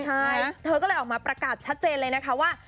ใช่เธอก็เลยออกมาประกาศชัดเจนเลยนะคะว่า